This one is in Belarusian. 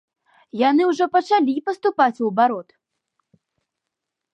Яны ўжо пачалі паступаць у абарот.